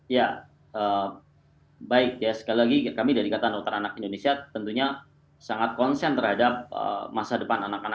ya baik ya sekali lagi kami dari ikatan dokter anak indonesia tentunya sangat konsen terhadap masa depan anak anak